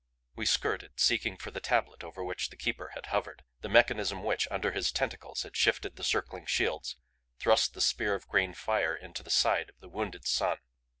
We skirted, seeking for the tablet over which the Keeper had hovered; the mechanism which, under his tentacles, had shifted the circling shields, thrust the spear of green fire into the side of the wounded sun.